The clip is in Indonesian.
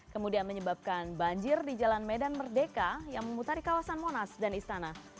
kemudian menyebabkan banjir di jalan medan merdeka yang memutari kawasan monas dan istana